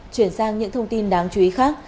chuyển sang những thông tin đáng chú ý khác